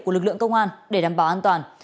của lực lượng công an để đảm bảo an toàn